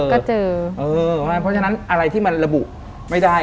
เพราะฉะนั้นอะไรที่มันระบุไม่ได้